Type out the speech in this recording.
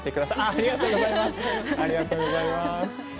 ありがとうございます。